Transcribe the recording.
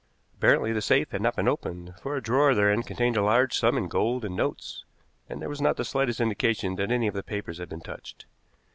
Apparently the safe had not been opened, for a drawer therein contained a large sum in gold and notes, and there was not the slightest indication that any of the papers had been touched.